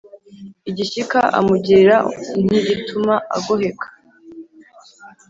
igishyika amugirira ntigituma agoheka: